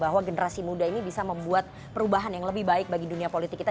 bahwa generasi muda ini bisa membuat perubahan yang lebih baik bagi dunia politik kita